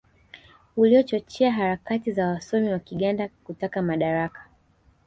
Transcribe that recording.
uliochochea harakati za wasomi wa Kiganda kutaka madaraka